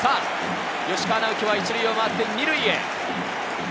吉川尚輝は１塁を回って２塁へ。